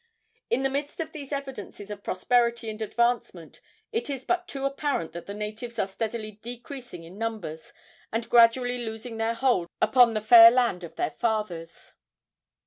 In the midst of these evidences of prosperity and advancement it is but too apparent that the natives are steadily decreasing in numbers and gradually losing their hold upon the fair land of their fathers.